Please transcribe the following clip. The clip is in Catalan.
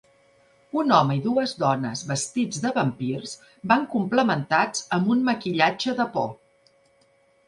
Un home i dues dones vestits de vampirs van complementats amb un maquillatge de por.